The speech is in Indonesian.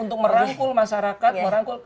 untuk merangkul masyarakat merangkul